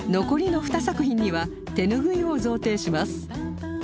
残りの２作品には手ぬぐいを贈呈します